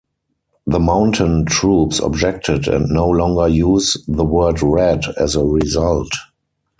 The mountain troops objected, and no longer use the word 'red' as a result.